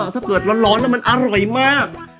ถ้าเกิดร้อนน่ะอร่อยมาก